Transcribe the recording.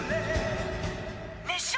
・熱唱！